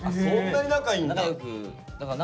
そんなに仲いいんだ。